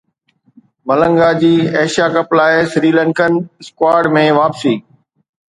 ملنگا جي Asia cup لاءِ Sri Lankan squad ۾ واپسي